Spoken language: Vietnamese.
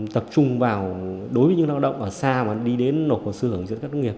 tập trung vào đối với những lao động ở xa mà đi đến nộp hồ sư hưởng dựa các thất nghiệp